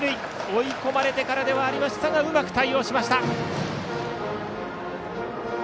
追い込まれてからではありましたがうまく対応しました。